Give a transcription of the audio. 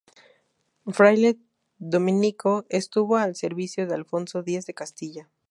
Fraile dominico, estuvo al servicio de Alfonso X de Castilla.